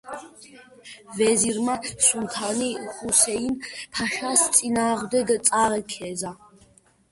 ვეზირმა სულთანი ჰუსეინ-ფაშას წინააღმდეგ წააქეზა.